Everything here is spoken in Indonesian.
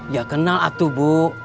ya kenal atuh bu